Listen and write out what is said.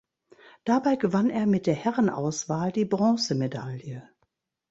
Dabei gewann er mit der Herrenauswahl die Bronzemedaille.